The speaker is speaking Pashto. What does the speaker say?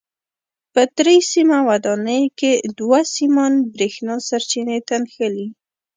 په درې سیمه ودانیو کې دوه سیمان برېښنا سرچینې ته نښلي.